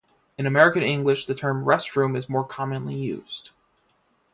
In American English, the term "restroom" is more commonly used.